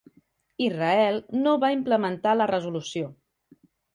Israel no va implementar la resolució.